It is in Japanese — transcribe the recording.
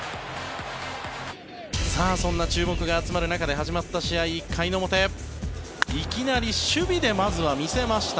さあ、そんな注目が集まる中で始まった試合１回の表、いきなり守備でまずは見せました